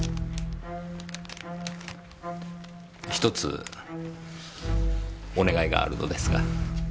ひとつお願いがあるのですが。